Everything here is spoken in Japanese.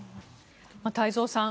太蔵さん